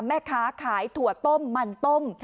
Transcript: แม่ค้าขายถั่วต้มมันต้ม